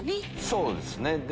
そうですね。